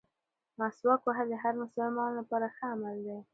مسواک وهل د هر مسلمان لپاره ښه عمل دی.